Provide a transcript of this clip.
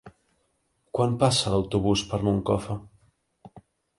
Quan passa l'autobús per Moncofa?